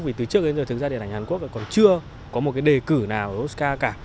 vì từ trước đến giờ thực ra điện ảnh hàn quốc còn chưa có một cái đề cử nào ở oscar cả